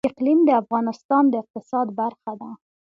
اقلیم د افغانستان د اقتصاد برخه ده.